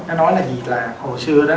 nó nói là vì là hồi xưa đó